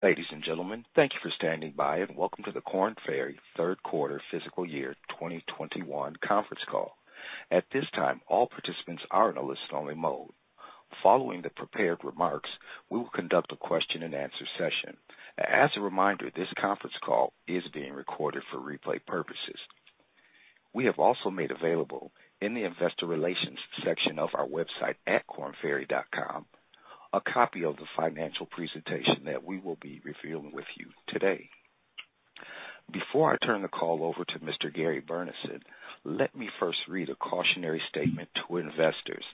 Ladies and gentlemen, thank you for standing by, and welcome to the Korn Ferry third quarter fiscal year 2021 conference call. At this time, all participants are in a listen-only mode. Following the prepared remarks, we will conduct a question-and-answer session. As a reminder, this conference call is being recorded for replay purposes. We have also made available in the investor relations section of our website at kornferry.com, a copy of the financial presentation that we will be revealing with you today. Before I turn the call over to Mr. Gary Burnison, let me first read a cautionary statement to investors.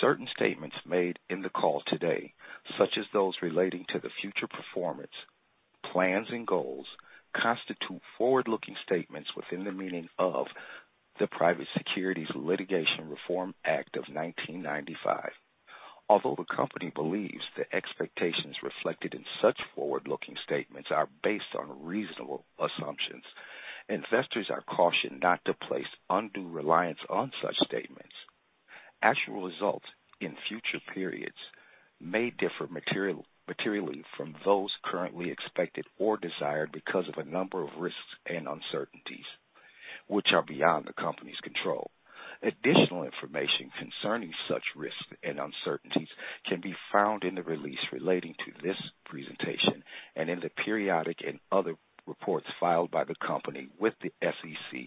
Certain statements made in the call today, such as those relating to the future performance, plans, and goals, constitute forward-looking statements within the meaning of the Private Securities Litigation Reform Act of 1995. Although the company believes the expectations reflected in such forward-looking statements are based on reasonable assumptions, investors are cautioned not to place undue reliance on such statements. Actual results in future periods may differ materially from those currently expected or desired because of a number of risks and uncertainties, which are beyond the company's control. Additional information concerning such risks and uncertainties can be found in the release relating to this presentation and in the periodic and other reports filed by the company with the SEC,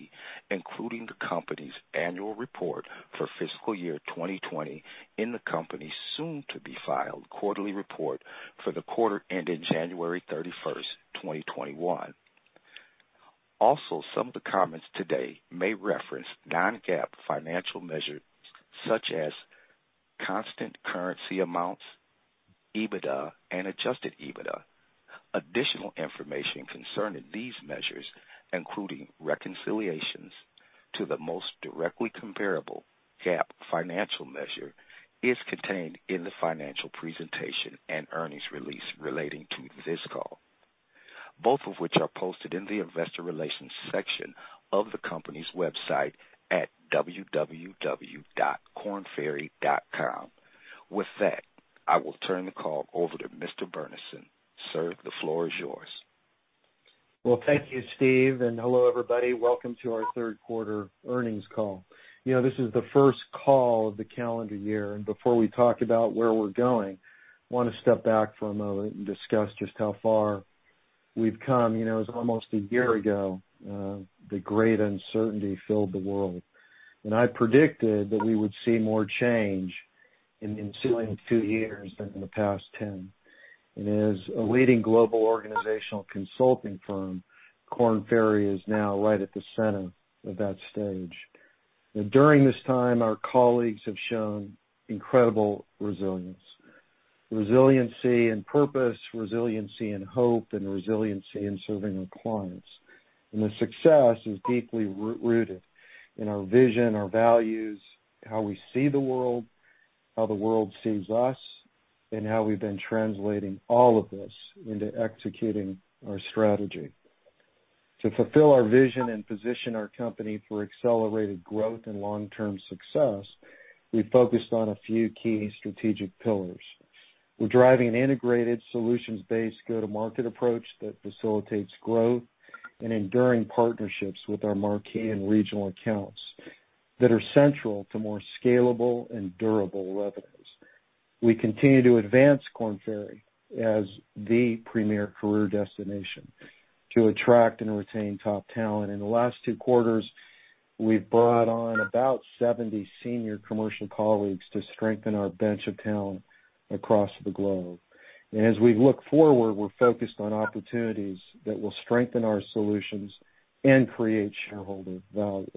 including the company's annual report for fiscal year 2020 and the company's soon-to-be-filed quarterly report for the quarter ending January 31st, 2021. Some of the comments today may reference non-GAAP financial measures such as constant currency amounts, EBITDA, and adjusted EBITDA. Additional information concerning these measures, including reconciliations to the most directly comparable GAAP financial measure, is contained in the financial presentation and earnings release relating to this call, both of which are posted in the investor relations section of the company's website at www.kornferry.com. With that, I will turn the call over to Mr. Burnison. Sir, the floor is yours. Well, thank you, Steve, and hello, everybody. Welcome to our third quarter earnings call. This is the first call of the calendar year, and before we talk about where we're going, I want to step back for a moment and discuss just how far we've come. It was almost a year ago, the great uncertainty filled the world. I predicted that we would see more change in the ensuing two years than in the past 10. As a leading global organizational consulting firm, Korn Ferry is now right at the center of that stage. During this time, our colleagues have shown incredible resilience. Resiliency in purpose, resiliency in hope, and resiliency in serving our clients. The success is deeply rooted in our vision, our values, how we see the world, how the world sees us, and how we've been translating all of this into executing our strategy. To fulfill our vision and position our company for accelerated growth and long-term success, we focused on a few key strategic pillars. We're driving an integrated solutions-based go-to-market approach that facilitates growth and enduring partnerships with our Marquee Accounts and regional accounts that are central to more scalable and durable revenues. We continue to advance Korn Ferry as the premier career destination to attract and retain top talent. In the last two quarters, we've brought on about 70 senior commercial colleagues to strengthen our bench of talent across the globe. As we look forward, we're focused on opportunities that will strengthen our solutions and create shareholder value.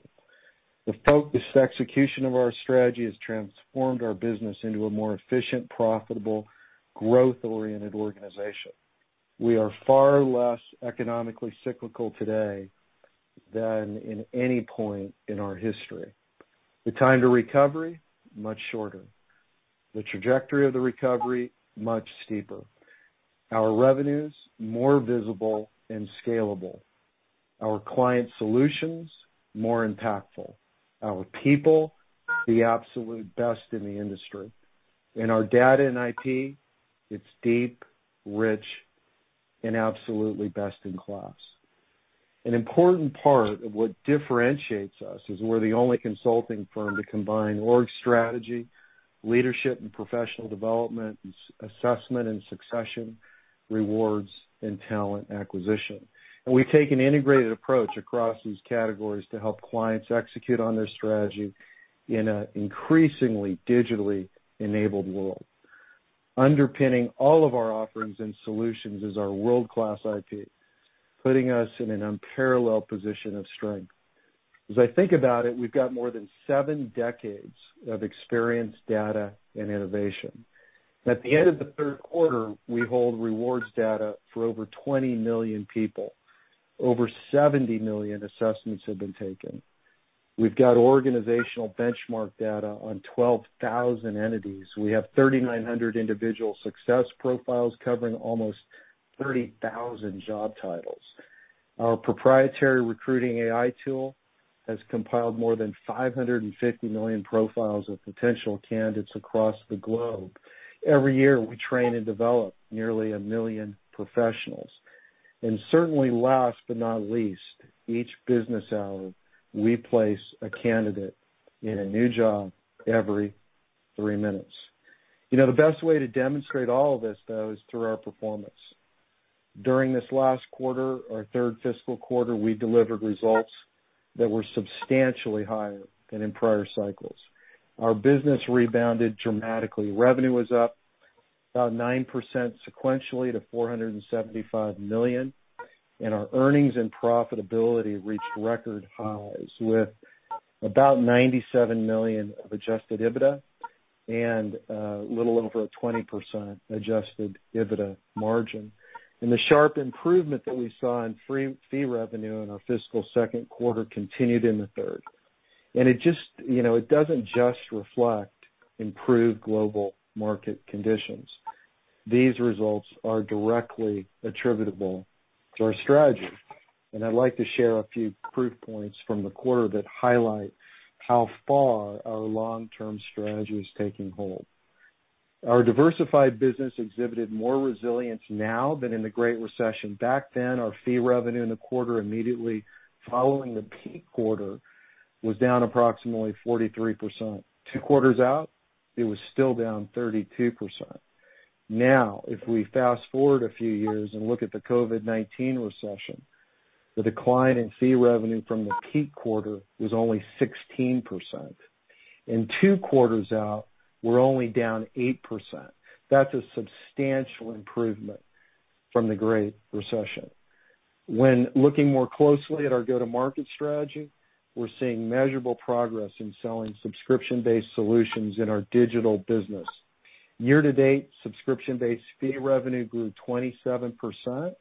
The focused execution of our strategy has transformed our business into a more efficient, profitable, growth-oriented organization. We are far less economically cyclical today than in any point in our history. The time to recovery, much shorter. The trajectory of the recovery, much steeper. Our revenues, more visible and scalable. Our client solutions, more impactful. Our people, the absolute best in the industry. Our data and IT, it's deep, rich, and absolutely best in class. An important part of what differentiates us is we're the only consulting firm to combine org strategy, leadership and professional development, assessment and succession, rewards, and talent acquisition. We take an integrated approach across these categories to help clients execute on their strategy in an increasingly digitally enabled world. Underpinning all of our offerings and solutions is our world-class IT, putting us in an unparalleled position of strength. As I think about it, we've got more than seven decades of experience, data, and innovation. At the end of the third quarter, we hold rewards data for over 20 million people. Over 70 million assessments have been taken. We've got organizational benchmark data on 12,000 entities. We have 3,900 individual success profiles covering almost 30,000 job titles. Our proprietary recruiting AI tool has compiled more than 550 million profiles of potential candidates across the globe. Every year, we train and develop nearly a million professionals. Certainly last but not least, each business hour, we place a candidate in a new job every three minutes. The best way to demonstrate all of this, though, is through our performance. During this last quarter, our third fiscal quarter, we delivered results that were substantially higher than in prior cycles. Our business rebounded dramatically. Revenue was up about 9% sequentially to $475 million, and our earnings and profitability reached record highs, with about $97 million of adjusted EBITDA and a little over a 20% adjusted EBITDA margin. The sharp improvement that we saw in fee revenue in our fiscal second quarter continued in the third. It doesn't just reflect improved global market conditions. These results are directly attributable to our strategy, and I'd like to share a few proof points from the quarter that highlight how far our long-term strategy is taking hold. Our diversified business exhibited more resilience now than in the Great Recession. Back then, our fee revenue in the quarter immediately following the peak quarter was down approximately 43%. Two quarters out, it was still down 32%. If we fast-forward a few years and look at the COVID-19 recession, the decline in fee revenue from the peak quarter was only 16%. Two quarters out, we're only down 8%. That's a substantial improvement from the Great Recession. When looking more closely at our go-to-market strategy, we're seeing measurable progress in selling subscription-based solutions in our digital business. Year-to-date, subscription-based fee revenue grew 27%,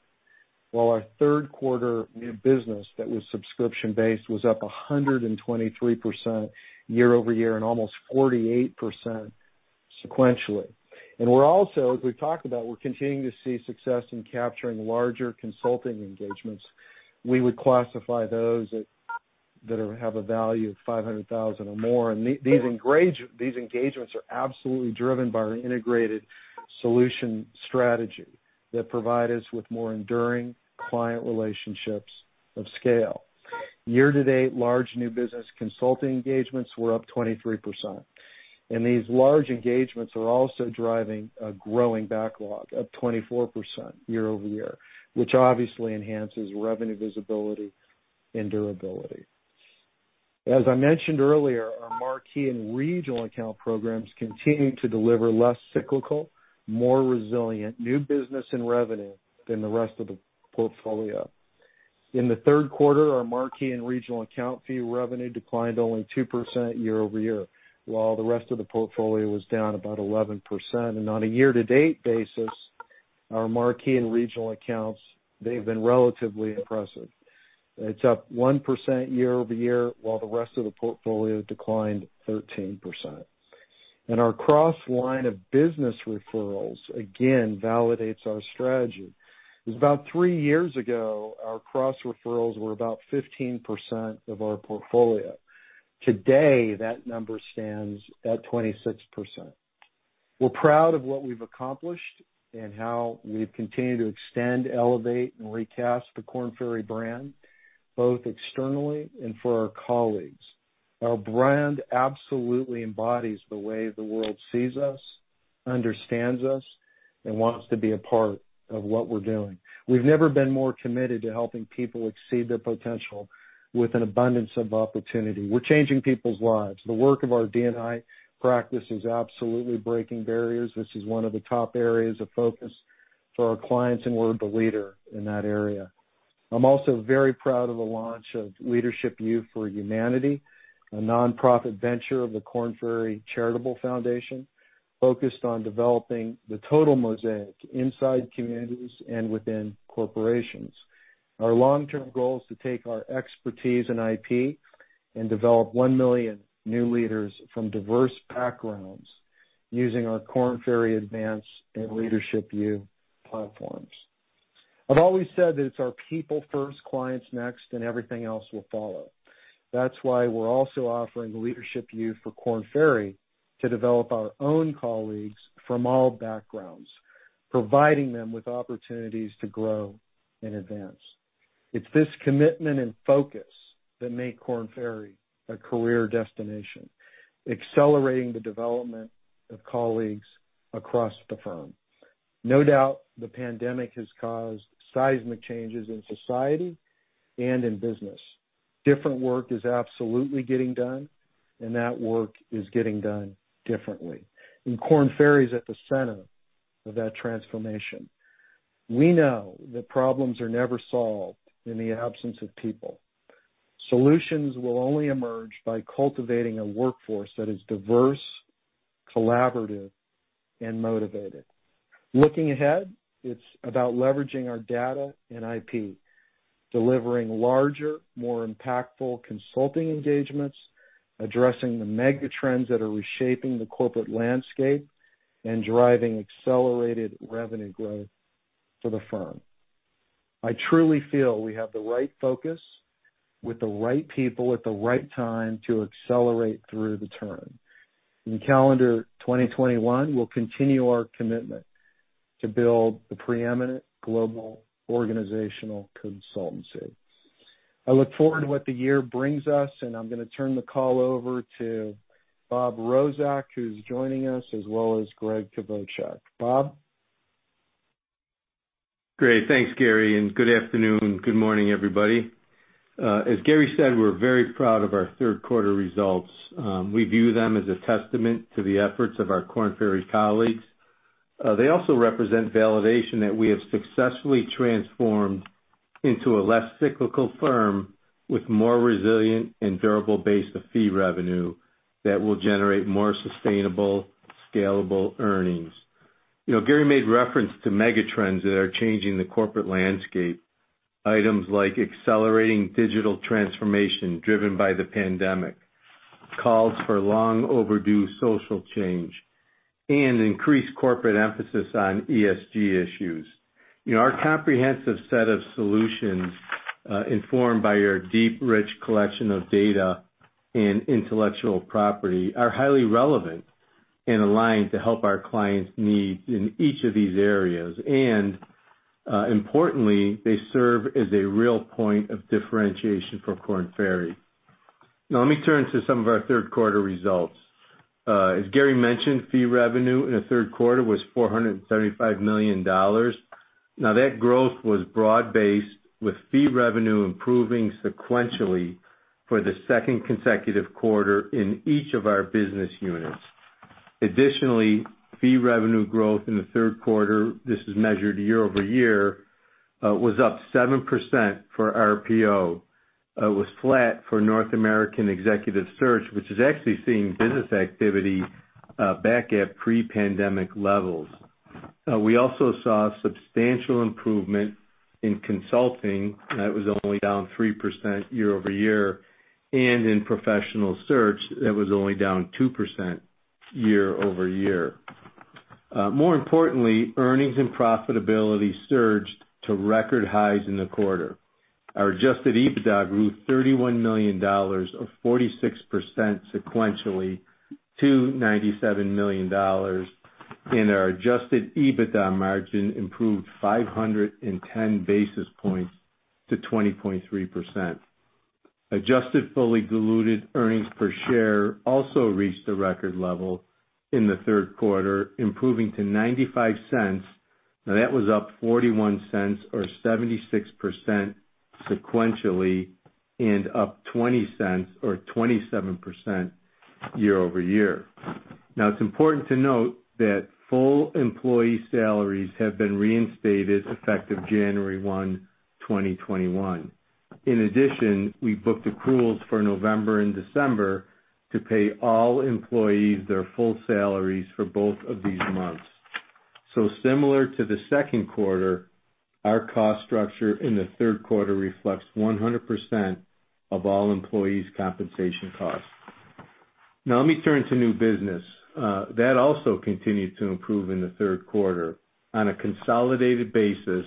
while our third quarter new business that was subscription-based was up 123% year-over-year and almost 48% sequentially. We're also, as we've talked about, we're continuing to see success in capturing larger consulting engagements. We would classify those that have a value of $500,000 or more. These engagements are absolutely driven by our integrated solution strategy that provide us with more enduring client relationships of scale. Year-to-date, large new business consulting engagements were up 23%. These large engagements are also driving a growing backlog, up 24% year-over-year, which obviously enhances revenue visibility and durability. As I mentioned earlier, our Marquee and Regional Account programs continue to deliver less cyclical, more resilient new business and revenue than the rest of the portfolio. In the third quarter, our Marquee and Regional Account fee revenue declined only 2% year-over-year, while the rest of the portfolio was down about 11%. On a year-to-date basis, our Marquee and Regional Accounts, they've been relatively impressive. It's up 1% year-over-year, while the rest of the portfolio declined 13%. Our cross line of business referrals again validates our strategy. It was about three years ago, our cross referrals were about 15% of our portfolio. Today, that number stands at 26%. We're proud of what we've accomplished and how we've continued to extend, elevate, and recast the Korn Ferry brand, both externally and for our colleagues. Our brand absolutely embodies the way the world sees us, understands us, and wants to be a part of what we're doing. We've never been more committed to helping people exceed their potential with an abundance of opportunity. We're changing people's lives. The work of our D&I practice is absolutely breaking barriers. This is one of the top areas of focus for our clients, and we're the leader in that area. I'm also very proud of the launch of Leadership U for Humanity, a nonprofit venture of the Korn Ferry Charitable Foundation focused on developing the total mosaic inside communities and within corporations. Our long-term goal is to take our expertise in IP and develop 1 million new leaders from diverse backgrounds using our Korn Ferry Advance and Leadership U platforms. I've always said that it's our people first, clients next, then everything else will follow. That's why we're also offering Leadership U for Korn Ferry to develop our own colleagues from all backgrounds, providing them with opportunities to grow and advance. It's this commitment and focus that make Korn Ferry a career destination, accelerating the development of colleagues across the firm. No doubt, the pandemic has caused seismic changes in society and in business. Different work is absolutely getting done, and that work is getting done differently, and Korn Ferry is at the center of that transformation. We know that problems are never solved in the absence of people. Solutions will only emerge by cultivating a workforce that is diverse, collaborative, and motivated. Looking ahead, it's about leveraging our data and IP, delivering larger, more impactful consulting engagements, addressing the mega trends that are reshaping the corporate landscape. Driving accelerated revenue growth for the firm. I truly feel we have the right focus, with the right people at the right time to accelerate through the turn. In calendar 2021, we'll continue our commitment to build the preeminent global organizational consultancy. I look forward to what the year brings us, and I'm going to turn the call over to Bob Rozek, who's joining us, as well as Gregg Kvochak. Bob? Great. Thanks, Gary, and good afternoon. Good morning, everybody. As Gary said, we're very proud of our third quarter results. We view them as a testament to the efforts of our Korn Ferry colleagues. They also represent validation that we have successfully transformed into a less cyclical firm with more resilient and durable base of fee revenue that will generate more sustainable, scalable earnings. Gary made reference to mega trends that are changing the corporate landscape. Items like accelerating digital transformation driven by the pandemic, calls for long overdue social change, and increased corporate emphasis on ESG issues. Our comprehensive set of solutions, informed by our deep, rich collection of data and intellectual property, are highly relevant and aligned to help our clients' needs in each of these areas. Importantly, they serve as a real point of differentiation for Korn Ferry. Let me turn to some of our third quarter results. As Gary mentioned, fee revenue in the third quarter was $475 million. That growth was broad-based, with fee revenue improving sequentially for the second consecutive quarter in each of our business units. Additionally, fee revenue growth in the third quarter, this is measured year-over-year, was up 7% for RPO. It was flat for North American Executive Search, which has actually seen business activity back at pre-pandemic levels. We also saw substantial improvement in consulting, that was only down 3% year-over-year, and in Professional Search, that was only down 2% year-over-year. More importantly, earnings and profitability surged to record highs in the quarter. Our adjusted EBITDA grew $31 million, or 46% sequentially, to $97 million, and our adjusted EBITDA margin improved 510 basis points to 20.3%. Adjusted fully diluted earnings per share also reached a record level in the third quarter, improving to $0.95. That was up $0.41, or 76% sequentially, and up $0.20 or 27% year-over-year. It's important to note that full employee salaries have been reinstated effective January 1, 2021. In addition, we booked accruals for November and December to pay all employees their full salaries for both of these months. Similar to the second quarter, our cost structure in the third quarter reflects 100% of all employees' compensation costs. Let me turn to new business. That also continued to improve in the third quarter. On a consolidated basis,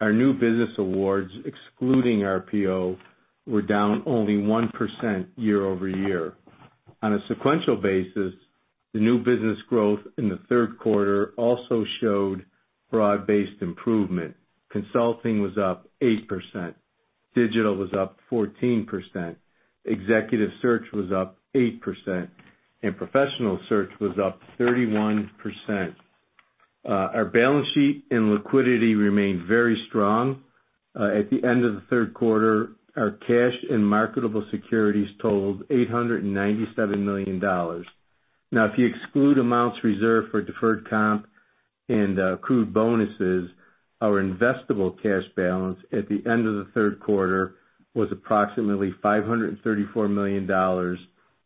our new business awards, excluding RPO, were down only 1% year-over-year. On a sequential basis, the new business growth in the third quarter also showed broad-based improvement. Consulting was up 8%, digital was up 14%, Executive Search was up 8%, Professional Search was up 31%. Our balance sheet and liquidity remained very strong. At the end of the third quarter, our cash and marketable securities totaled $897 million. Now, if you exclude amounts reserved for deferred comp and accrued bonuses, our investable cash balance at the end of the third quarter was approximately $534 million,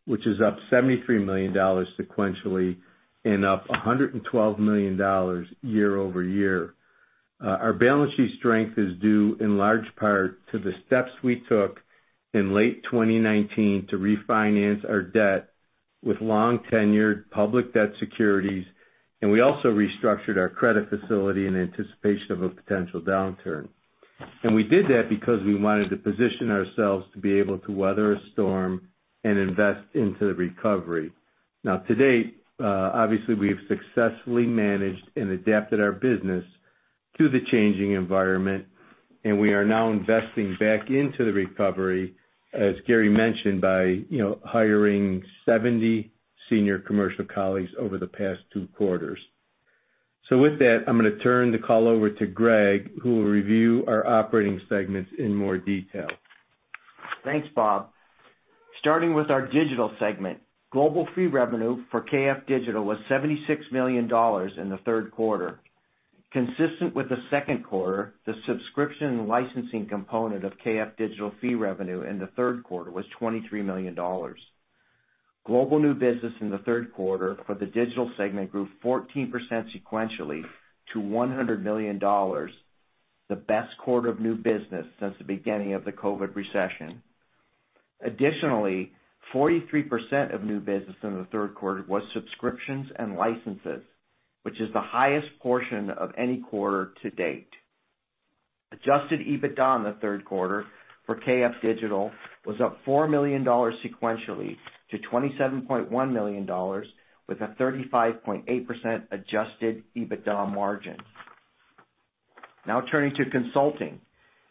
which is up $73 million sequentially and up $112 million year-over-year. Our balance sheet strength is due in large part to the steps we took in late 2019 to refinance our debt with long tenured public debt securities. We also restructured our credit facility in anticipation of a potential downturn. We did that because we wanted to position ourselves to be able to weather a storm and invest into the recovery. To date, obviously we have successfully managed and adapted our business to the changing environment, and we are now investing back into the recovery, as Gary mentioned, by hiring 70 senior commercial colleagues over the past two quarters. With that, I'm going to turn the call over to Gregg, who will review our operating segments in more detail. Thanks, Bob. Starting with our digital segment, global fee revenue for KF Digital was $76 million in the third quarter. Consistent with the second quarter, the subscription and licensing component of KF Digital fee revenue in the third quarter was $23 million. Global new business in the third quarter for the digital segment grew 14% sequentially to $100 million, the best quarter of new business since the beginning of the COVID recession. Additionally, 43% of new business in the third quarter was subscriptions and licenses, which is the highest portion of any quarter to date. Adjusted EBITDA in the third quarter for KF Digital was up $4 million sequentially to $27.1 million, with a 35.8% adjusted EBITDA margin. Now turning to consulting.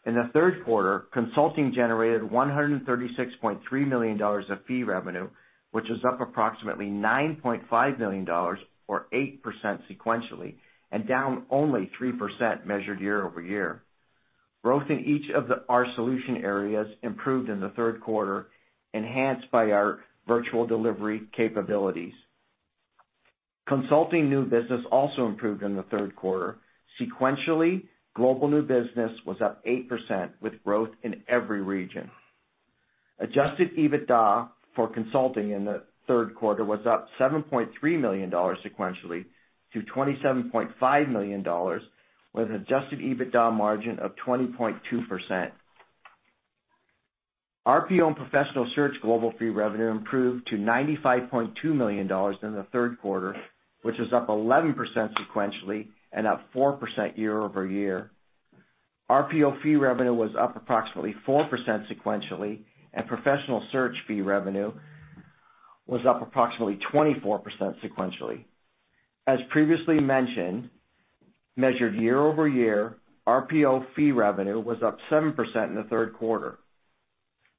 In the third quarter, consulting generated $136.3 million of fee revenue, which was up approximately $9.5 million or 8% sequentially, and down only 3% measured year-over-year. Growth in each of our solution areas improved in the third quarter, enhanced by our virtual delivery capabilities. Consulting new business also improved in the third quarter. Sequentially, global new business was up 8% with growth in every region. Adjusted EBITDA for consulting in the third quarter was up $7.3 million sequentially to $27.5 million, with an adjusted EBITDA margin of 20.2%. RPO and Professional Search global fee revenue improved to $95.2 million in the third quarter, which is up 11% sequentially and up 4% year-over-year. RPO fee revenue was up approximately 4% sequentially, and Professional Search fee revenue was up approximately 24% sequentially. As previously mentioned, measured year-over-year, RPO fee revenue was up 7% in the third quarter.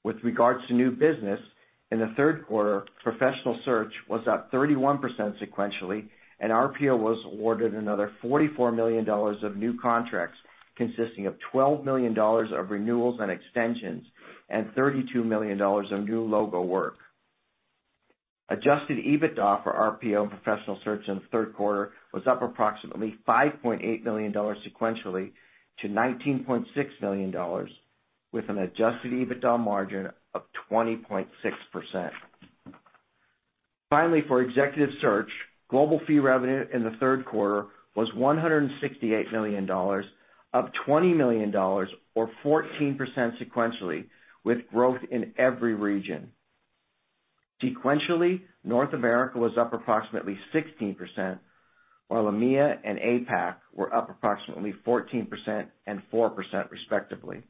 With regards to new business, in the third quarter, Professional Search was up 31% sequentially, and RPO was awarded another $44 million of new contracts, consisting of $12 million of renewals and extensions and $32 million of new logo work. Adjusted EBITDA for RPO and Professional Search in the third quarter was up approximately $5.8 million sequentially to $19.6 million, with an adjusted EBITDA margin of 20.6%. Finally, for Executive Search, global fee revenue in the third quarter was $168 million, up $20 million or 14% sequentially, with growth in every region. Sequentially, North America was up approximately 16%, while EMEA and APAC were up approximately 14% and 4% respectively.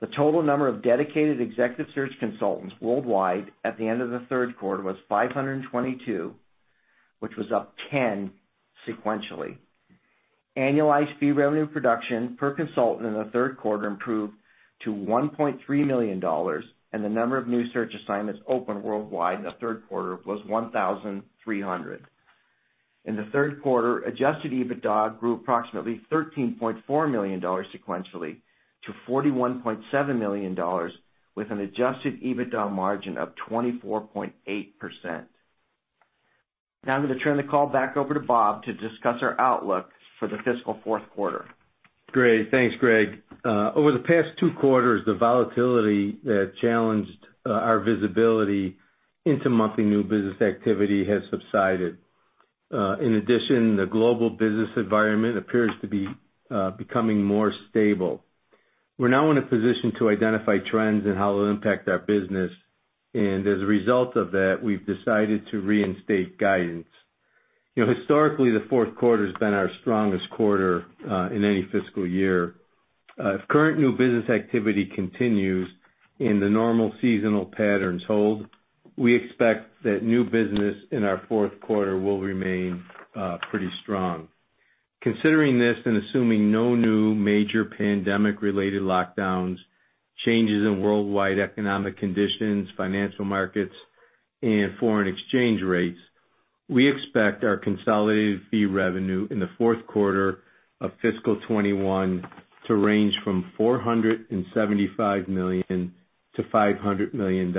The total number of dedicated Executive Search consultants worldwide at the end of the third quarter was 522, which was up 10 sequentially. Annualized fee revenue production per consultant in the third quarter improved to $1.3 million, and the number of new search assignments opened worldwide in the third quarter was 1,300. In the third quarter, adjusted EBITDA grew approximately $13.4 million sequentially to $41.7 million, with an adjusted EBITDA margin of 24.8%. Now I'm going to turn the call back over to Bob to discuss our outlook for the fiscal fourth quarter. Great. Thanks, Gregg. Over the past two quarters, the volatility that challenged our visibility into monthly new business activity has subsided. The global business environment appears to be becoming more stable. We're now in a position to identify trends and how they'll impact our business, and as a result of that, we've decided to reinstate guidance. Historically, the fourth quarter's been our strongest quarter in any fiscal year. If current new business activity continues and the normal seasonal patterns hold, we expect that new business in our fourth quarter will remain pretty strong. Considering this and assuming no new major pandemic-related lockdowns, changes in worldwide economic conditions, financial markets, and foreign exchange rates, we expect our consolidated fee revenue in the fourth quarter of fiscal 2021 to range from $475 million to $500 million,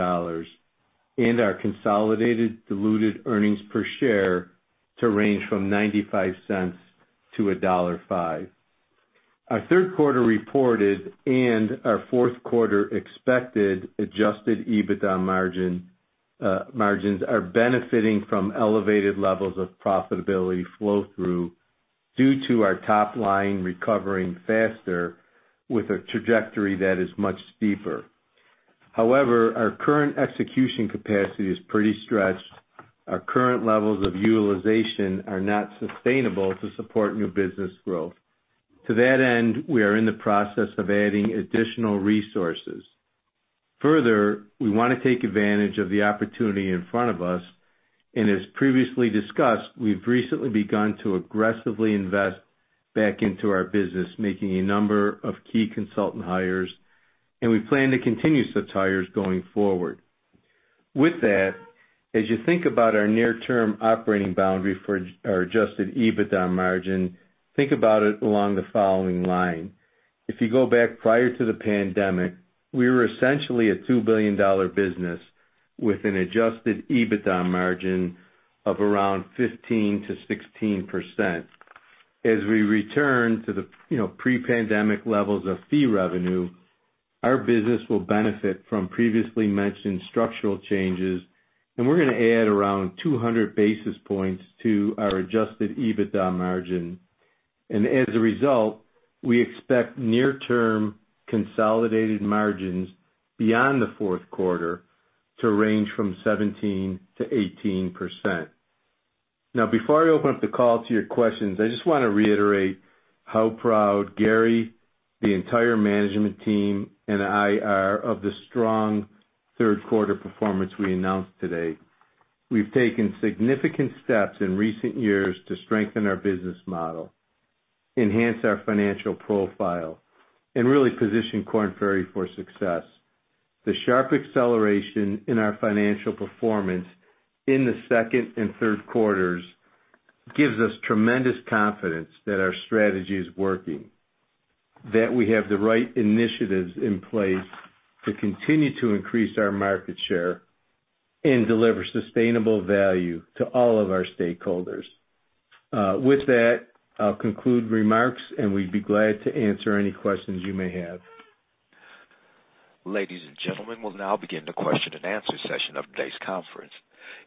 and our consolidated diluted earnings per share to range from $0.95 to $1.05. Our third quarter reported and our fourth quarter expected adjusted EBITDA margins are benefiting from elevated levels of profitability flow-through due to our top line recovering faster with a trajectory that is much steeper. However, our current execution capacity is pretty stretched. Our current levels of utilization are not sustainable to support new business growth. To that end, we are in the process of adding additional resources. Further, we want to take advantage of the opportunity in front of us, and as previously discussed, we've recently begun to aggressively invest back into our business, making a number of key consultant hires, and we plan to continue such hires going forward. With that, as you think about our near-term operating boundary for our adjusted EBITDA margin, think about it along the following line. If you go back prior to the pandemic, we were essentially a $2 billion business with an adjusted EBITDA margin of around 15%-16%. As we return to the pre-pandemic levels of fee revenue, our business will benefit from previously mentioned structural changes, and we're going to add around 200 basis points to our adjusted EBITDA margin. As a result, we expect near-term consolidated margins beyond the fourth quarter to range from 17%-18%. Before I open up the call to your questions, I just want to reiterate how proud Gary, the entire management team, and I are of the strong third quarter performance we announced today. We've taken significant steps in recent years to strengthen our business model, enhance our financial profile, and really position Korn Ferry for success. The sharp acceleration in our financial performance in the second and third quarters gives us tremendous confidence that our strategy is working, that we have the right initiatives in place to continue to increase our market share, and deliver sustainable value to all of our stakeholders. With that, I'll conclude remarks, and we'd be glad to answer any questions you may have. Ladies and gentlemen, we'll now begin the question-and-answer session of today's conference.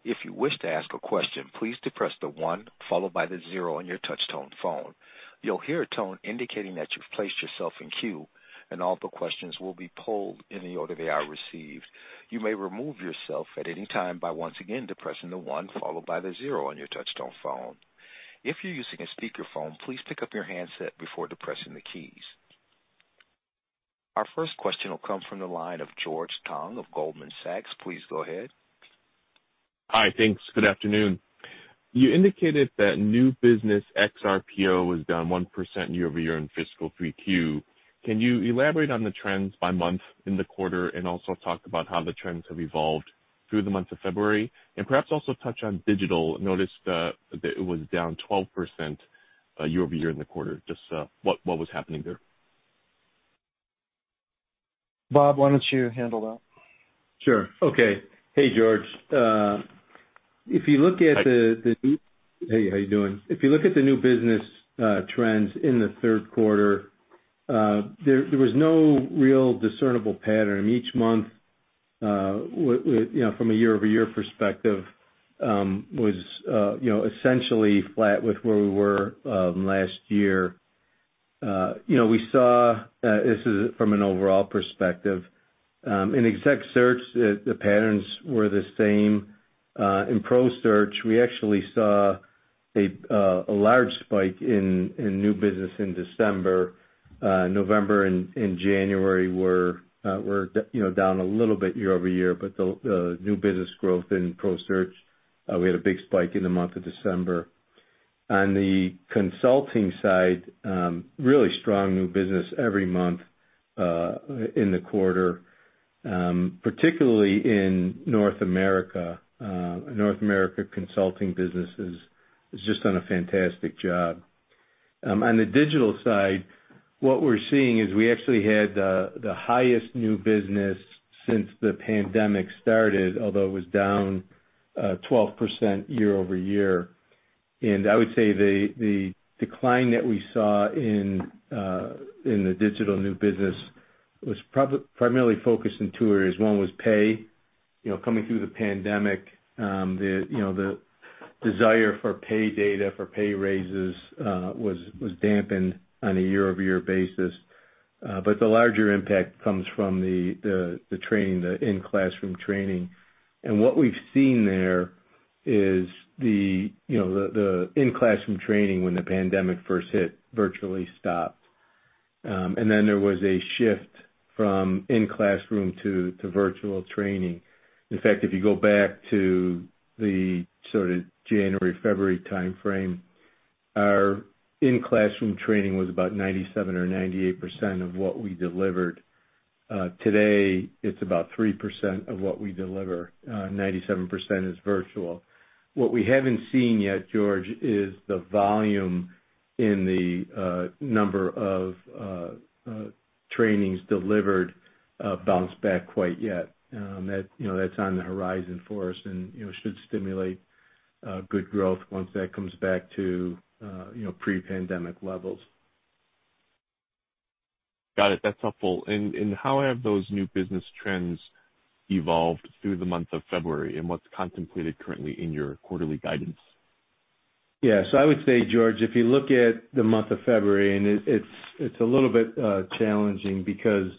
If you wish to ask a question please de-press the one followed by zero on your touchtone phone. You will hear a tone indicating that you've placed yourself in queue and all the questions will be pulled in the order they are received. You may remove yourself at any time by once again de-pressing the one followed by zero on your touchtone phone. If you are using a speaker phone please pick up your handset before de-pressing the keys. Our first question will come from the line of George Tong of Goldman Sachs. Please go ahead. Hi. Thanks. Good afternoon. You indicated that new business ex RPO was down 1% year-over-year in fiscal 3Q. Can you elaborate on the trends by month in the quarter and also talk about how the trends have evolved through the month of February? Perhaps also touch on Digital. Noticed that it was down 12% year-over-year in the quarter. Bob, why don't you handle that? Sure. Okay. Hey, George. Hi. Hey, how you doing? If you look at the new business trends in the third quarter, there was no real discernible pattern. Each month, from a year-over-year perspective, was essentially flat with where we were last year. We saw, this is from an overall perspective. In Exec Search, the patterns were the same. In Pro Search, we actually saw a large spike in new business in December. November and January were down a little bit year-over-year, but the new business growth in Pro Search, we had a big spike in the month of December. On the consulting side, really strong new business every month in the quarter, particularly in North America. North America consulting business has just done a fantastic job. On the digital side, what we're seeing is we actually had the highest new business since the pandemic started, although it was down 12% year-over-year. I would say the decline that we saw in the digital new business was primarily focused in two areas. One was pay. Coming through the pandemic, the desire for pay data for pay raises was dampened on a year-over-year basis. The larger impact comes from the in-classroom training. What we've seen there is the in-classroom training when the pandemic first hit virtually stopped. There was a shift from in-classroom to virtual training. In fact, if you go back to the sort of January, February timeframe, our in-classroom training was about 97% or 98% of what we delivered. Today, it's about 3% of what we deliver. 97% is virtual. What we haven't seen yet, George, is the volume in the number of trainings delivered bounce back quite yet. That's on the horizon for us, and should stimulate good growth once that comes back to pre-pandemic levels. Got it. That's helpful. How have those new business trends evolved through the month of February, and what's contemplated currently in your quarterly guidance? Yeah. I would say, George, if you look at the month of February, and it's a little bit challenging because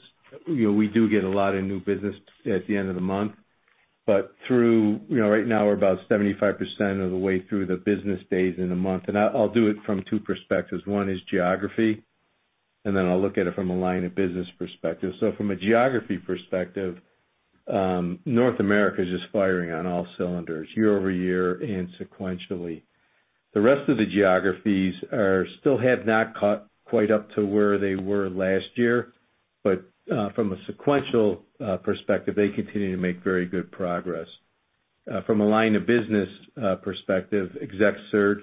we do get a lot of new business at the end of the month. Right now, we're about 75% of the way through the business days in a month. I'll do it from two perspectives. One is geography, and then I'll look at it from a line of business perspective. From a geography perspective, North America is just firing on all cylinders year-over-year and sequentially. The rest of the geographies still have not caught quite up to where they were last year. From a sequential perspective, they continue to make very good progress. From a line of business perspective, Exec Search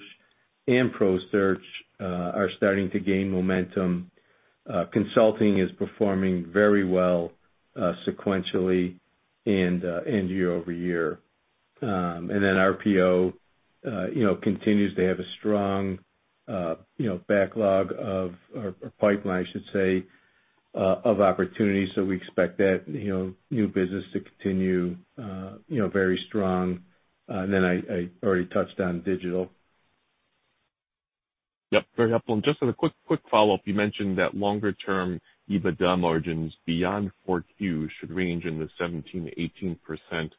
and Pro Search are starting to gain momentum. Consulting is performing very well sequentially and year-over-year. RPO continues to have a strong backlog of or pipeline, I should say. -of opportunities. We expect that new business to continue very strong. I already touched on Digital. Yep, very helpful. Just as a quick follow-up, you mentioned that longer-term EBITDA margins beyond 4Q should range in the 17%-18%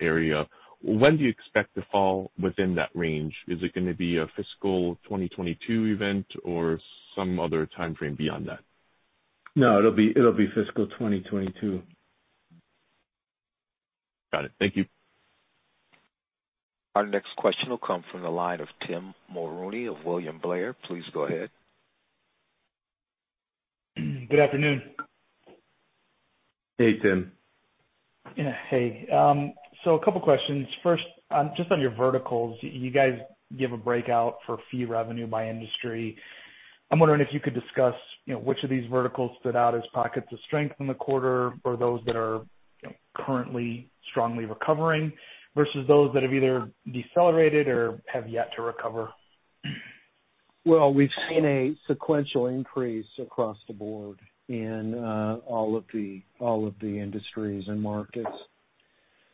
area. When do you expect to fall within that range? Is it going to be a fiscal 2022 event or some other timeframe beyond that? No, it'll be fiscal 2022. Got it. Thank you. Our next question will come from the line of Tim Mulrooney of William Blair. Please go ahead. Good afternoon. Hey, Tim. Yeah. Hey. A couple questions. First, just on your verticals, you guys give a breakout for fee revenue by industry. I'm wondering if you could discuss which of these verticals stood out as pockets of strength in the quarter for those that are currently strongly recovering versus those that have either decelerated or have yet to recover. Well, we've seen a sequential increase across the board in all of the industries and markets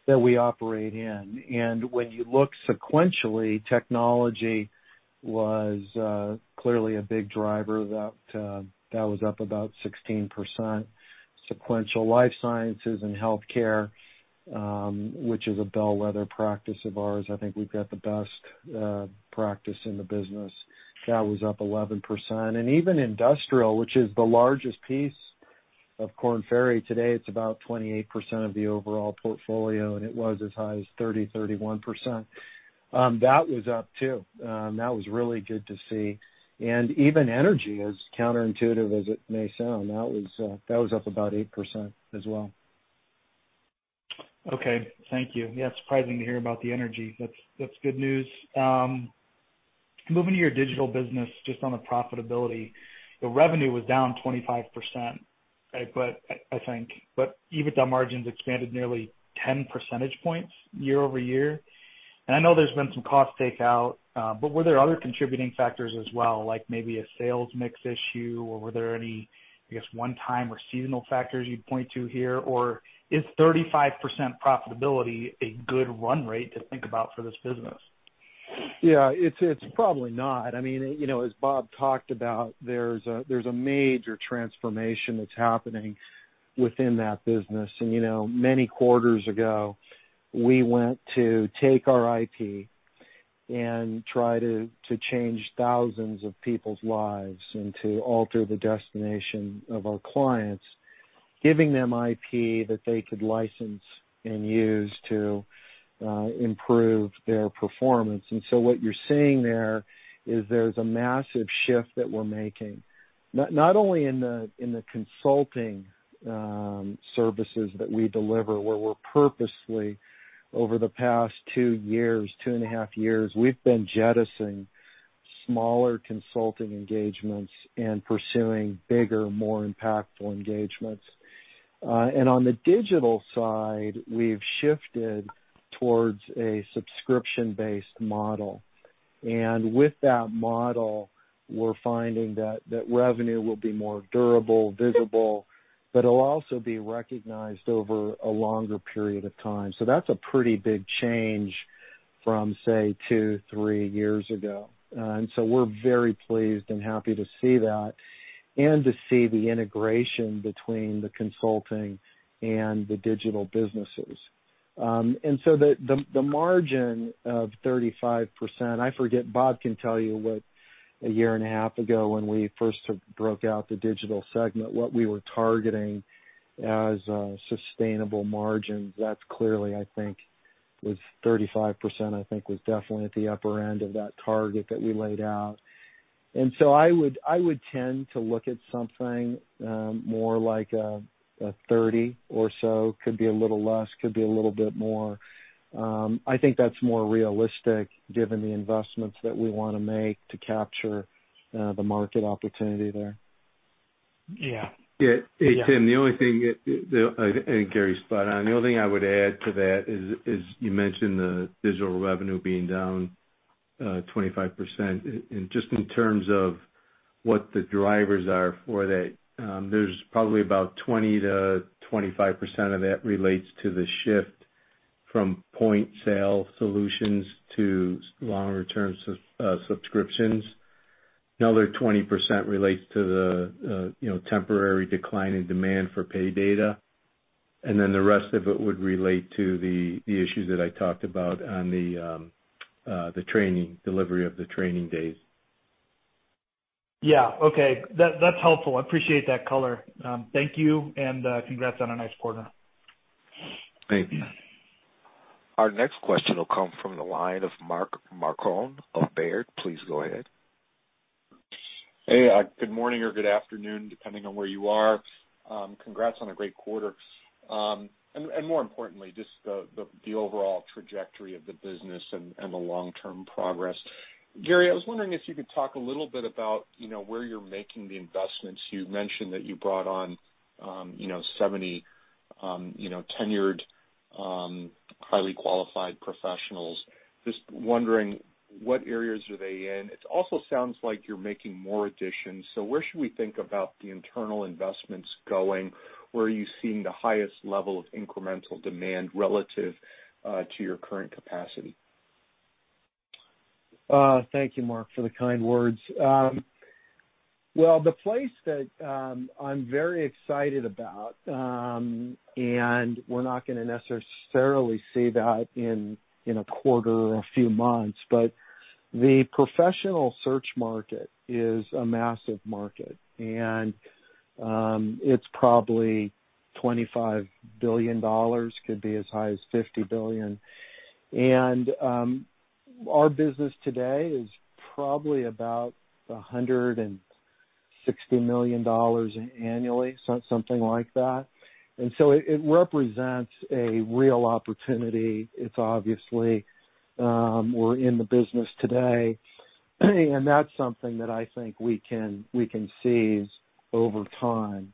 that we operate in. When you look sequentially, technology was clearly a big driver. That was up about 16%. Sequential life sciences and healthcare, which is a bellwether practice of ours, I think we've got the best practice in the business. That was up 11%. Even industrial, which is the largest piece of Korn Ferry today, it's about 28% of the overall portfolio, and it was as high as 30%, 31%. That was up, too. That was really good to see. Even energy, as counterintuitive as it may sound, that was up about 8% as well. Okay. Thank you. Yeah, surprising to hear about the energy. That's good news. Moving to your digital business, just on the profitability, the revenue was down 25%, right? EBITDA margins expanded nearly 10 percentage points year-over-year. I know there's been some cost takeout. Were there other contributing factors as well, like maybe a sales mix issue or were there any, I guess, one-time or seasonal factors you'd point to here? Is 35% profitability a good run rate to think about for this business? Yeah, it's probably not. As Bob talked about, there's a major transformation that's happening within that business. Many quarters ago, we went to take our IP and try to change thousands of people's lives and to alter the destination of our clients, giving them IP that they could license and use to improve their performance. So what you're seeing there is there's a massive shift that we're making, not only in the consulting services that we deliver, where we're purposely, over the past two years, two and a half years, we've been jettisoning smaller consulting engagements and pursuing bigger, more impactful engagements. On the digital side, we've shifted towards a subscription-based model. With that model, we're finding that revenue will be more durable, visible, but it'll also be recognized over a longer period of time. That's a pretty big change from, say, two, three years ago. We're very pleased and happy to see that and to see the integration between the consulting and the Digital businesses. The margin of 35%, I forget, Bob can tell you what, a year and a half ago, when we first broke out the Digital segment, what we were targeting as a sustainable margin. That's clearly, I think, with 35%, I think, was definitely at the upper end of that target that we laid out. I would tend to look at something more like a 30% or so. Could be a little less, could be a little bit more. I think that's more realistic given the investments that we want to make to capture the market opportunity there. Yeah. Hey, Tim, the only thing, and Gary's spot on. The only thing I would add to that is you mentioned the digital revenue being down 25%. Just in terms of what the drivers are for that, there's probably about 20%-25% of that relates to the shift from point-sale solutions to longer-term subscriptions. Another 20% relates to the temporary decline in demand for pay data. The rest of it would relate to the issue that I talked about on the delivery of the training days. Yeah. Okay. That's helpful. I appreciate that color. Thank you, and congrats on a nice quarter. Thank you. Our next question will come from the line of Mark Marcon of Baird. Please go ahead. Hey. Good morning or good afternoon, depending on where you are. Congrats on a great quarter. More importantly, just the overall trajectory of the business and the long-term progress. Gary, I was wondering if you could talk a little bit about where you're making the investments. You mentioned that you brought on 70 tenured, highly qualified professionals. Just wondering what areas are they in. It also sounds like you're making more additions. Where should we think about the internal investments going? Where are you seeing the highest level of incremental demand relative to your current capacity? Thank you, Mark, for the kind words. Well, the place that I'm very excited about, we're not going to necessarily see that in a quarter or a few months, the Professional Search market is a massive market. It's probably $25 billion, could be as high as $50 billion. Our business today is probably about $160 million annually, something like that. It represents a real opportunity. It's obviously, we're in the business today, that's something that I think we can seize over time.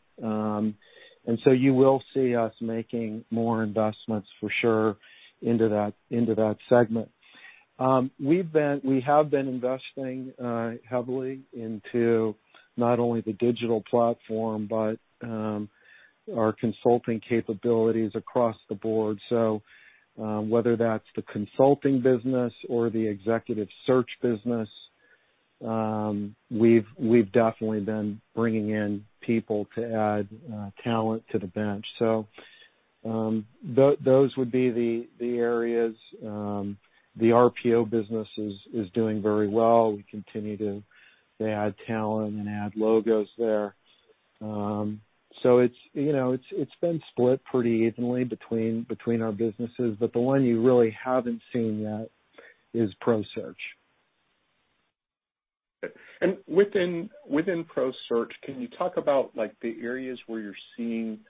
You will see us making more investments for sure into that segment. We have been investing heavily into not only the digital platform, but our consulting capabilities across the board. Whether that's the Consulting business or the Executive Search business, we've definitely been bringing in people to add talent to the bench. Those would be the areas. The RPO business is doing very well. We continue to add talent and add logos there. It's been split pretty evenly between our businesses. The one you really haven't seen yet is Pro Search. Within Pro Search, can you talk about the areas where you're seeing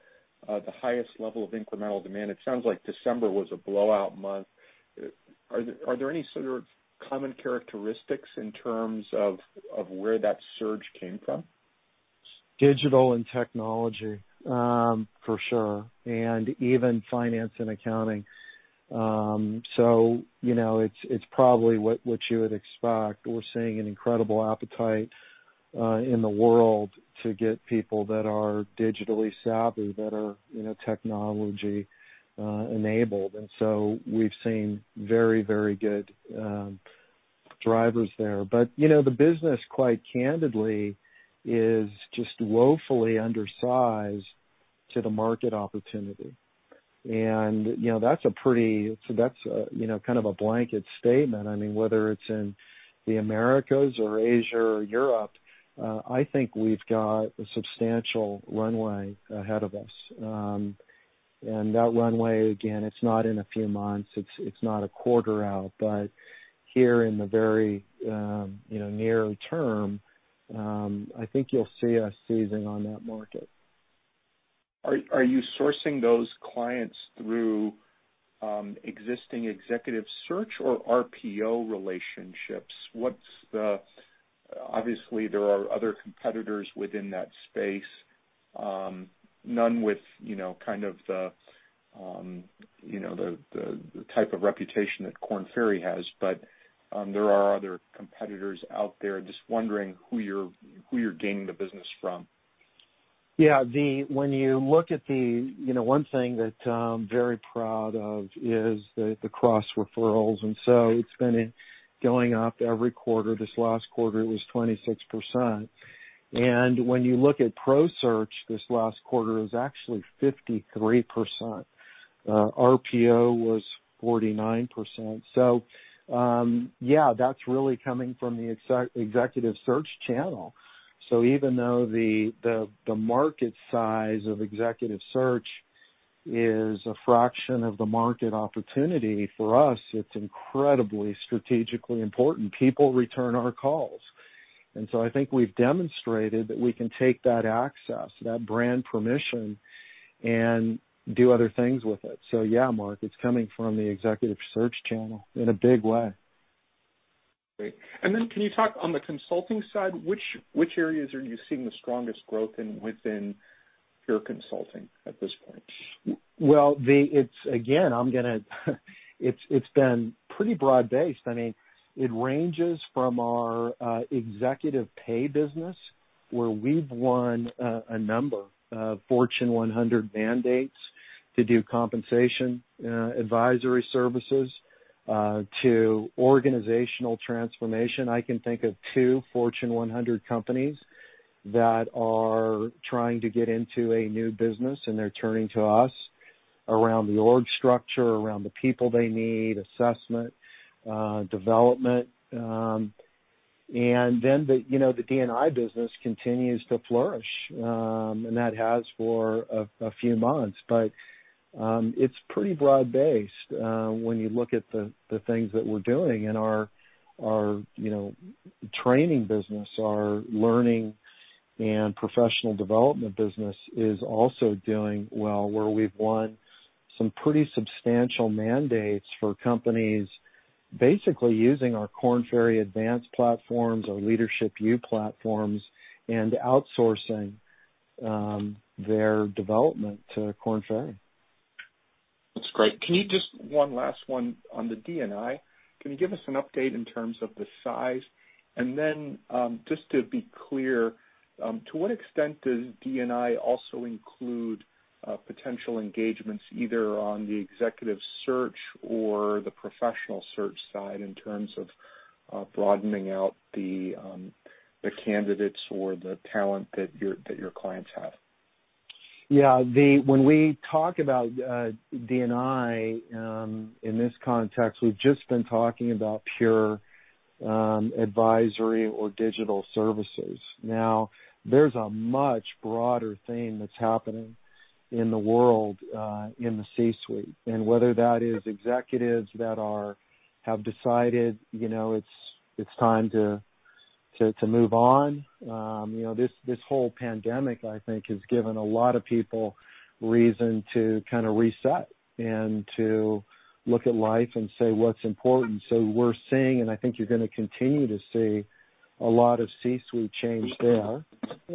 the highest level of incremental demand? It sounds like December was a blowout month. Are there any sort of common characteristics in terms of where that surge came from? Digital and technology, for sure, and even finance and accounting. It's probably what you would expect. We're seeing an incredible appetite in the world to get people that are digitally savvy, that are technology-enabled. We've seen very good drivers there. The business, quite candidly, is just woefully undersized to the market opportunity. That's kind of a blanket statement. Whether it's in the Americas or Asia or Europe, I think we've got a substantial runway ahead of us. That runway, again, it's not in a few months, it's not a quarter out. Here in the very near term, I think you'll see us seizing on that market. Are you sourcing those clients through existing Executive Search or RPO relationships? Obviously, there are other competitors within that space. None with the type of reputation that Korn Ferry has. There are other competitors out there. Just wondering who you're gaining the business from. Yeah. One thing that I'm very proud of is the cross referrals, and so it's been going up every quarter. This last quarter, it was 26%. When you look at Pro Search this last quarter, it was actually 53%. RPO was 49%. Yeah, that's really coming from the Executive Search channel. Even though the market size of Executive Search is a fraction of the market opportunity, for us, it's incredibly strategically important. People return our calls. I think we've demonstrated that we can take that access, that brand permission, and do other things with it. Yeah, Mark, it's coming from the Executive Search channel in a big way. Great. Then can you talk on the Consulting side, which areas are you seeing the strongest growth in within your Consulting at this point? Again, it's been pretty broad-based. It ranges from our executive pay business, where we've won a number of Fortune 100 mandates to do compensation advisory services, to organizational transformation. I can think of two Fortune 100 companies that are trying to get into a new business, and they're turning to us around the org structure, around the people they need, assessment, development. The D&I business continues to flourish, and that has for a few months. It's pretty broad-based when you look at the things that we're doing in our training business. Our learning and professional development business is also doing well, where we've won some pretty substantial mandates for companies, basically using our Korn Ferry Advance platforms, our Leadership U platforms, and outsourcing their development to Korn Ferry. That's great. One last one on the D&I. Can you give us an update in terms of the size? Just to be clear, to what extent does D&I also include potential engagements, either on the Executive Search or the Professional Search side, in terms of broadening out the candidates or the talent that your clients have? Yeah. When we talk about D&I in this context, we've just been talking about pure advisory or digital services. There's a much broader thing that's happening in the world in the C-suite, whether that is executives that have decided it's time to move on. This whole pandemic, I think, has given a lot of people reason to kind of reset and to look at life and say what's important. We're seeing, I think you're going to continue to see, a lot of C-suite change there,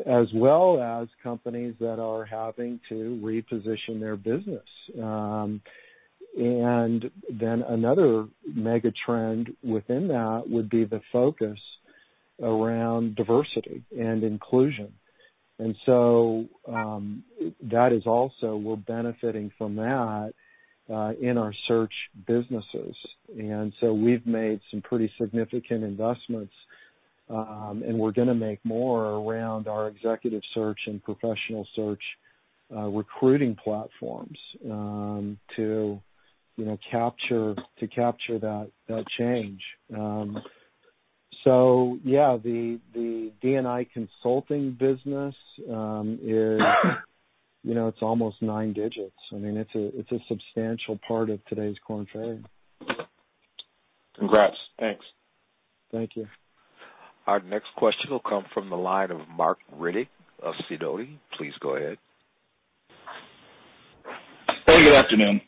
as well as companies that are having to reposition their business. Another mega-trend within that would be the focus around diversity and inclusion. That is also, we're benefiting from that in our search businesses. We've made some pretty significant investments, and we're going to make more around our Executive Search and Professional Search recruiting platforms to capture that change. Yeah, the D&I consulting business is almost nine digits. I mean, it's a substantial part of today's Korn Ferry. Congrats. Thanks. Thank you. Our next question will come from the line of Marc Riddick of Sidoti. Please go ahead. Hey, good afternoon.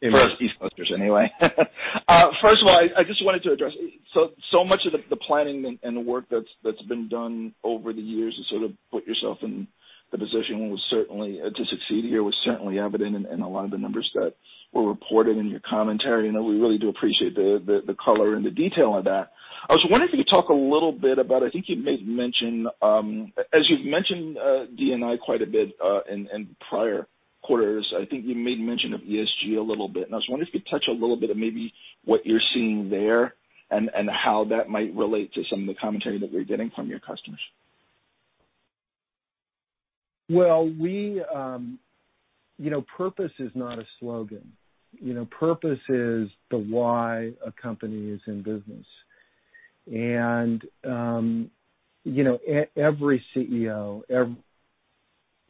Hey, Marc. For us East Coasters, anyway. First of all, I just wanted to address, so much of the planning and the work that's been done over the years to sort of put yourself in the position to succeed here was certainly evident in a lot of the numbers that were reported in your commentary, and we really do appreciate the color and the detail of that. I was wondering if you could talk a little bit about. You've mentioned D&I quite a bit in prior quarters. I think you made mention of ESG a little bit. I was wondering if you could touch a little bit of maybe what you're seeing there and how that might relate to some of the commentary that we're getting from your customers. Well, purpose is not a slogan. Purpose is the why a company is in business. Every CEO, every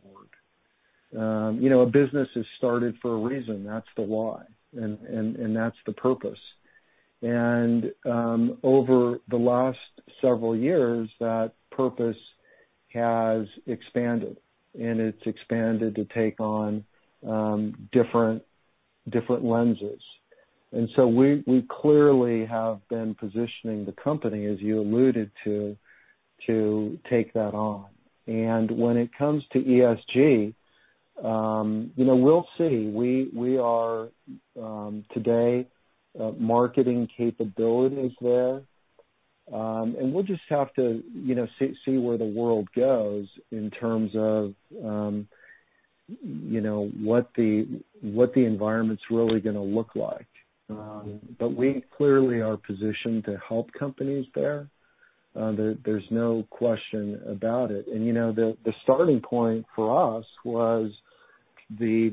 board. A business is started for a reason. That's the why, and that's the purpose. Over the last several years, that purpose has expanded, and it's expanded to take on different lenses. We clearly have been positioning the company, as you alluded to take that on. When it comes to ESG, we'll see. We are today marketing capabilities there. We'll just have to see where the world goes in terms of what the environment's really going to look like. But we clearly are positioned to help companies there. There's no question about it. The starting point for us was the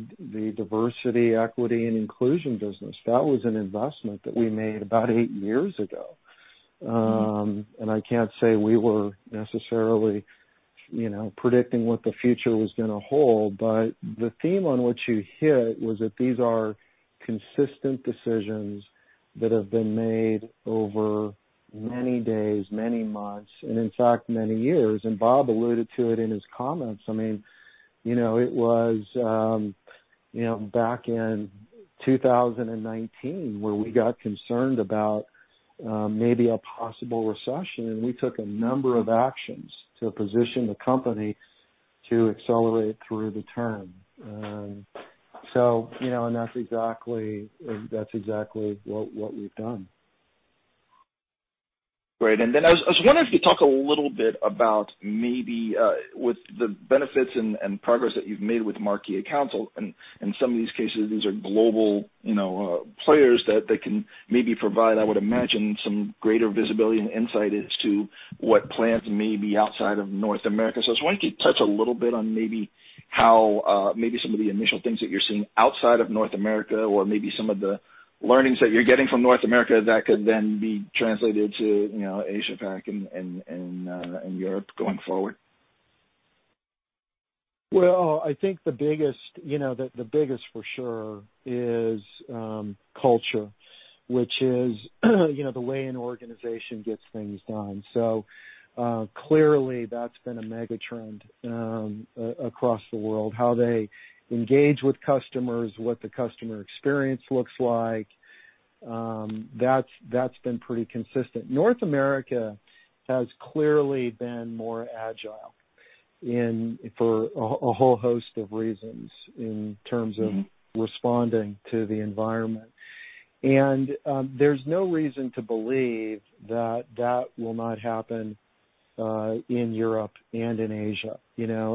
Diversity, Equity, and Inclusion business. That was an investment that we made about eight years ago. I can't say we were necessarily predicting what the future was going to hold. The theme on which you hit was that these are consistent decisions that have been made over many days, many months, and in fact, many years. Bob alluded to it in his comments. I mean, it was back in 2019 where we got concerned about maybe a possible recession, and we took a number of actions to position the company to accelerate through the turn. That's exactly what we've done. Great. I was wondering if you could talk a little bit about maybe with the benefits and progress that you've made with Marquee Accounts, and in some of these cases, these are global players that can maybe provide, I would imagine, some greater visibility and insight as to what plans may be outside of North America. I was wondering if you could touch a little bit on maybe how maybe some of the initial things that you're seeing outside of North America or maybe some of the learnings that you're getting from North America that could then be translated to Asia-Pac and Europe going forward. Well, I think the biggest for sure is culture, which is the way an organization gets things done. Clearly that's been a mega-trend across the world. How they engage with customers, what the customer experience looks like. That's been pretty consistent. North America has clearly been more agile for a whole host of reasons in terms of responding to the environment. There's no reason to believe that that will not happen in Europe and in Asia.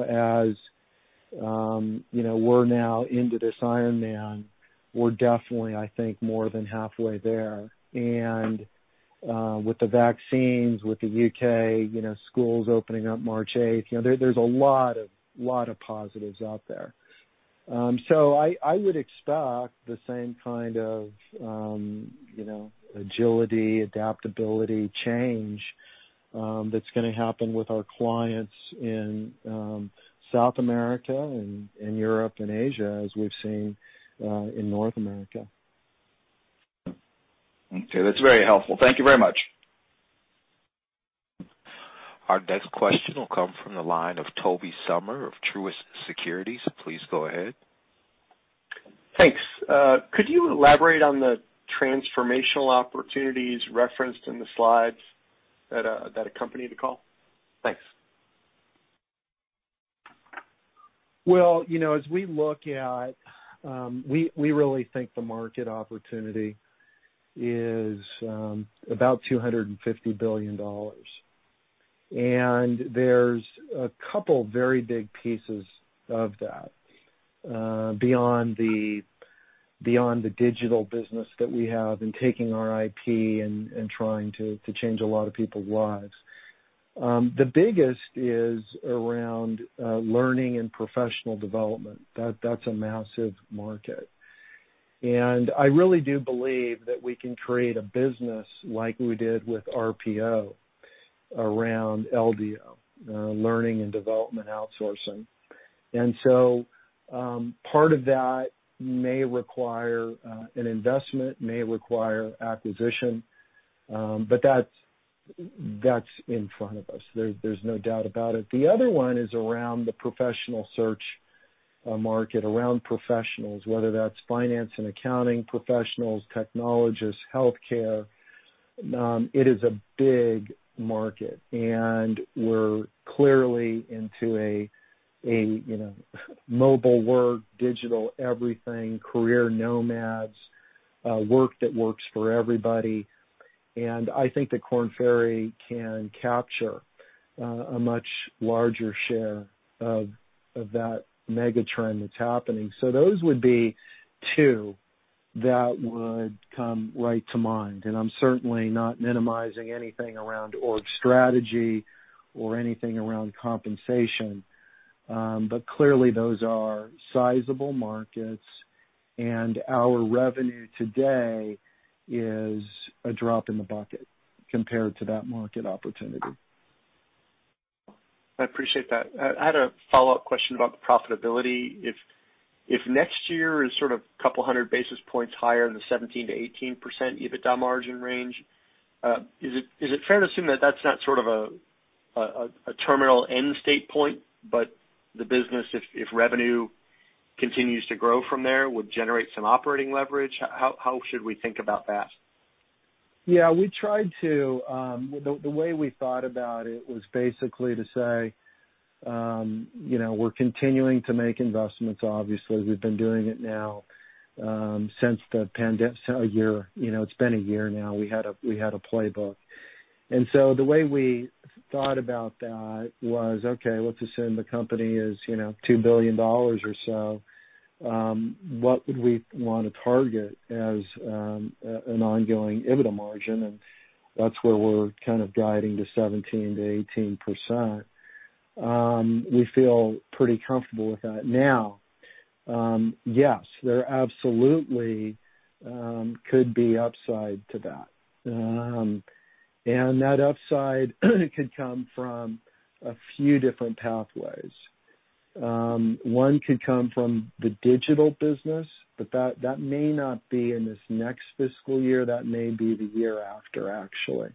As we're now into this Ironman, we're definitely, I think, more than halfway there. With the U.K., schools opening up March 8th. There's a lot of positives out there. I would expect the same kind of agility, adaptability, change that's going to happen with our clients in South America and in Europe and Asia as we've seen in North America. Okay. That's very helpful. Thank you very much. Our next question will come from the line of Tobey Sommer of Truist Securities. Please go ahead. Thanks. Could you elaborate on the transformational opportunities referenced in the slides that accompany the call? Thanks. Well, we really think the market opportunity is about $250 billion. There's a couple very big pieces of that beyond the Korn Ferry Digital business that we have in taking our IP and trying to change a lot of people's lives. The biggest is around learning and professional development. That's a massive market. I really do believe that we can create a business like we did with RPO around LDO, Learning and Development Outsourcing. Part of that may require an investment, may require acquisition. That's in front of us. There's no doubt about it. The other one is around the Professional Search market, around professionals, whether that's finance and accounting professionals, technologists, healthcare. It is a big market, and we're clearly into a mobile work, digital everything, career nomads, work that works for everybody. I think that Korn Ferry can capture a much larger share of that megatrend that's happening. Those would be two that would come right to mind, and I'm certainly not minimizing anything around org strategy or anything around compensation. Clearly those are sizable markets, and our revenue today is a drop in the bucket compared to that market opportunity. I appreciate that. I had a follow-up question about the profitability. If next year is sort of a couple of hundred basis points higher than the 17%-18% EBITDA margin range, is it fair to assume that that's not sort of a terminal end state point, but the business, if revenue continues to grow from there, would generate some operating leverage? How should we think about that? The way we thought about it was basically to say, we're continuing to make investments, obviously. We've been doing it now since the pandemic. It's been one year now. We had a playbook. The way we thought about that was, okay, let's assume the company is $2 billion or so. What would we want to target as an ongoing EBITDA margin? That's where we're kind of guiding to 17%-18%. We feel pretty comfortable with that now. Yes, there absolutely could be upside to that. That upside could come from a few different pathways. One could come from the Digital business, but that may not be in this next fiscal year. That may be the year after, actually.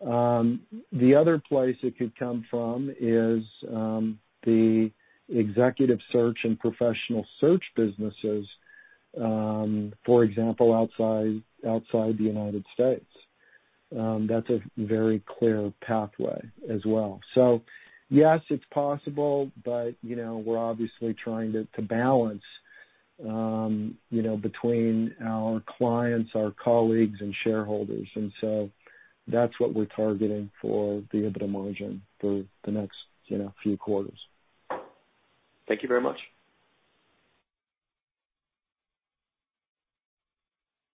The other place it could come from is the Executive Search and Professional Search businesses, for example, outside the U.S. That's a very clear pathway as well. Yes, it's possible, but we're obviously trying to balance between our clients, our colleagues, and shareholders. That's what we're targeting for the EBITDA margin for the next few quarters. Thank you very much.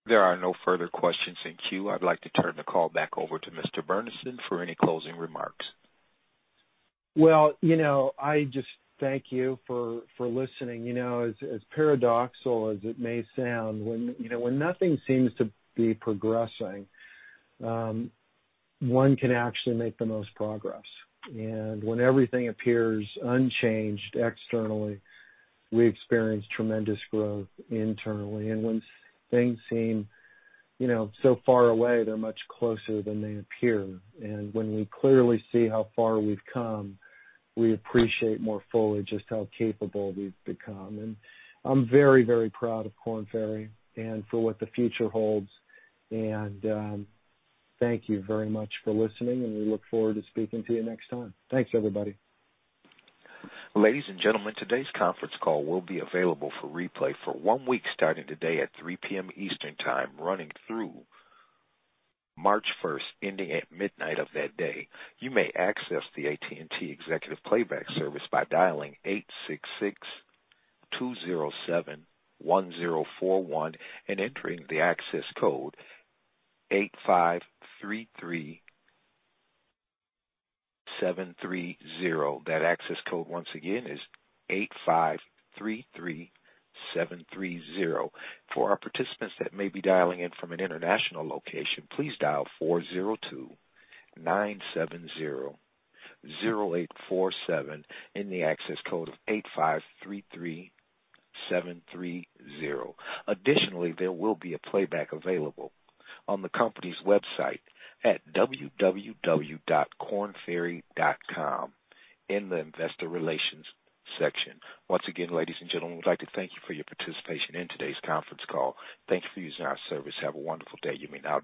There are no further questions in queue. I'd like to turn the call back over to Mr. Burnison for any closing remarks. Well, I just thank you for listening. As paradoxical as it may sound, when nothing seems to be progressing, one can actually make the most progress. When everything appears unchanged externally, we experience tremendous growth internally. When things seem so far away, they're much closer than they appear. When we clearly see how far we've come, we appreciate more fully just how capable we've become. I'm very, very proud of Korn Ferry and for what the future holds. Thank you very much for listening, and we look forward to speaking to you next time. Thanks, everybody. Ladies and gentlemen, today's conference call will be available for replay for one week starting today at 3:00 PM Eastern Time, running through March 1st, ending at midnight of that day. You may access the AT&T Executive Playback service by dialing 866-207-1041 and entering the access code 8533730. That access code, once again, is 8533730. For our participants that may be dialing in from an international location, please dial 402-970-0847 and the access code of 8533730. Additionally, there will be a playback available on the company's website at www.kornferry.com in the investor relations section. Once again, ladies and gentlemen, we'd like to thank you for your participation in today's conference call. Thank you for using our service. Have a wonderful day. You may now disconnect.